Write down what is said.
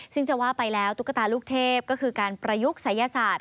ซึ่งจะว่าไปแล้วตุ๊กตาลูกเทพก็คือการประยุกต์ศัยศาสตร์